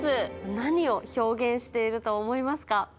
何を表現していると思いますか？